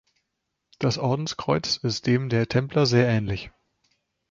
Das Ordenskreuz ist dem der Templer sehr ähnlich.